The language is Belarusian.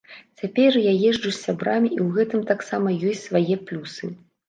Цяпер я езджу з сябрамі і ў гэтым таксама ёсць свае плюсы.